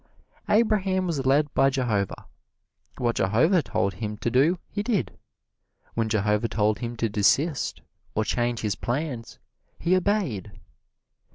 Abraham was led by Jehovah; what Jehovah told him to do he did; when Jehovah told him to desist or change his plans, he obeyed.